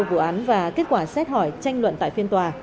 vụ án và kết quả xét hỏi tranh luận tại phiên tòa